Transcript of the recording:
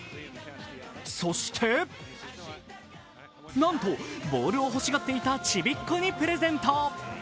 そしてなんと、ボールを欲しがっていたちびっ子にプレゼント。